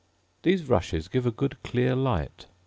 These rushes give a good clear light.